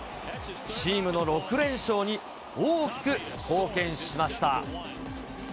チームの６連勝に大きく貢献しました。